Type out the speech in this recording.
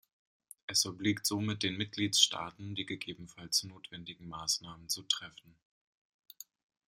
Es obliegt somit den Mitgliedstaaten, die ggf. notwendigen Maßnahmen zu treffen.